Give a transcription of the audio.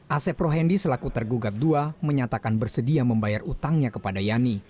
asep rohendi selaku tergugat dua menyatakan bersedia membayar utangnya kepada yani